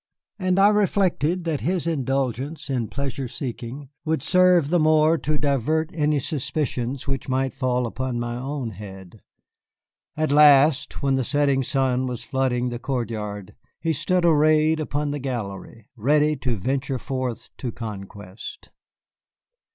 And I reflected that his indulgence in pleasure seeking would serve the more to divert any suspicions which might fall upon my own head. At last, when the setting sun was flooding the court yard, he stood arrayed upon the gallery, ready to venture forth to conquest.